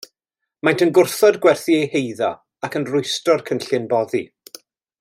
Maent yn gwrthod gwerthu eu heiddo ac yn rhwystro'r cynllun boddi.